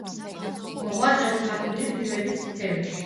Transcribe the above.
მოღვაწეობს მხატვრული ფილმების სფეროში.